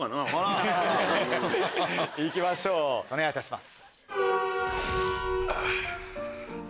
行きましょうお願いいたします。